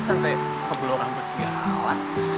sampai ngeblow rambut segala